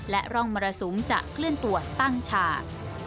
และร่องมรสุมจะเคลื่อนตัวตั้งฉาก